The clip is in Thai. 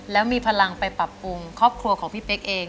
แล้วมีพลังไปปรับปรุงครอบครัวของพี่เป๊กเอง